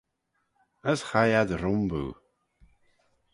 As hie ad rhymboo.